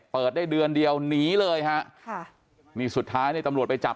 เปิดได้เดือนเดียวหนีเลยฮะค่ะนี่สุดท้ายเนี่ยตำรวจไปจับ